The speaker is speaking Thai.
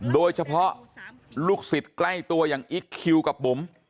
โดยเฉพาะลูกศิษย์ใกล้ตัวอย่างอิ๊กคิวกับบุ๋ม